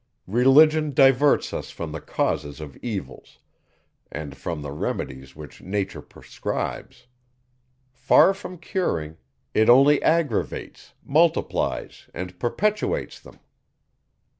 Religion diverts us from the causes of evils, and from the remedies which nature prescribes; far from curing, it only aggravates, multiplies, and perpetuates them.